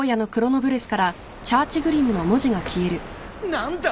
何だ！？